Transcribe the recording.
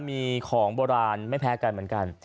มีของโบราณไม่แพ้กันเหมือนกัน